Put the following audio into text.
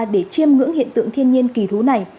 để chiêm ngưỡng hiện tượng thiên nhiên kỳ thú này